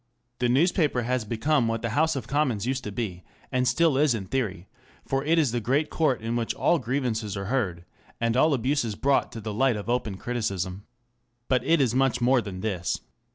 The newspaper has become what the House of Commons used to be, and still is in theory, for it is the great court in which all grievances are heard, and all abuses brought to the light of open criticism. But it is much more than this.